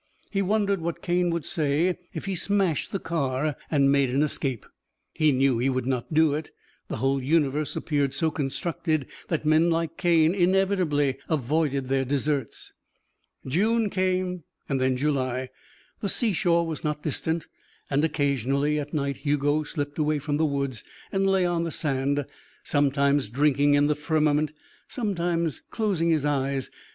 He wondered what Cane would say if he smashed the car and made an escape. He knew he would not do it; the whole universe appeared so constructed that men like Cane inevitably avoided their desserts. June came, and July. The sea shore was not distant and occasionally at night Hugo slipped away from the woods and lay on the sand, sometimes drinking in the firmament, sometimes closing his eyes.